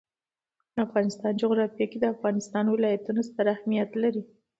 د افغانستان جغرافیه کې د افغانستان ولايتونه ستر اهمیت لري.